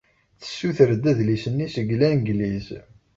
Tessuter-d adlis-nni seg Langliz.